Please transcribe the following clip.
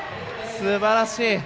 すばらしい！